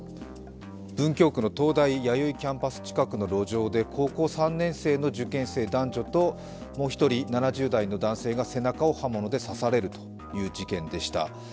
文京区の東大弥生キャンパス近くの路上で高校３年生の受験生男女ともう一人７０代の男性が背中を刃物で刺されるという事件でした。